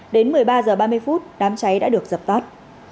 đến một mươi ba h ba mươi đám cháy đã được dập tắt